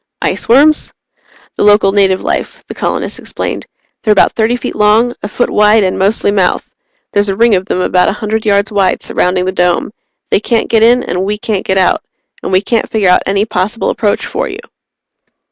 "Iceworms?" "The local native life," the colonist explained. "They're about thirty feet long, a foot wide, and mostly mouth. There's a ring of them about a hundred yards wide surrounding the Dome. They can't get in and we can't get out and we can't figure out any possible approach for you."